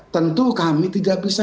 tentu kami tidak bisa